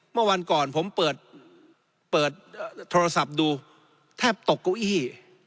เมื่อวันก่อนผมเปิดโทรศัพท์ดูแทบตกเก้าอี้